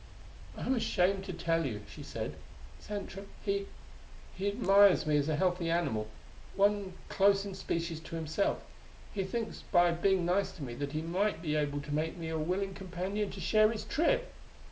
"I'm ashamed to tell you," she said. "Xantra he he admires me as a healthy animal; one close, in species, to himself. He thinks by being nice to me that he might be able to make me a willing companion to share his trip!"